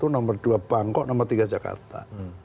nomor dua bangkok nomor tiga jakarta